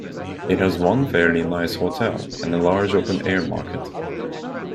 It has one fairly nice hotel and a large open-air market.